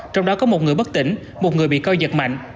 trong đó có một người bất tỉnh một người bị coi giật mạnh